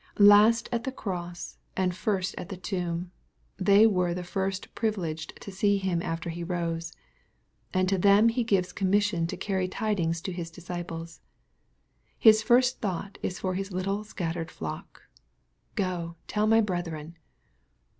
Last at the cross and first at the tomb, they were the first privileged to see Him after He rose. And to them He gives commission to carry tidings to His disciples. His first thought is for His little scattered flock. " Go, tell my brethren."